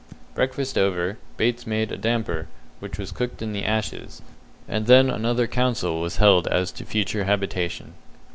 Breakfast over, Bates made a damper, which was cooked in the ashes, and then another council was held as to future habitation.